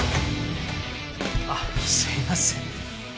あっすいません